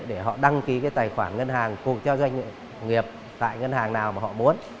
để họ đăng ký tài khoản ngân hàng của doanh nghiệp tại ngân hàng nào mà họ muốn